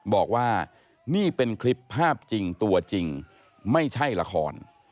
บอกว่านี่เป็นคลิปภาพจริงตัวจริงไม่ใช่ละคร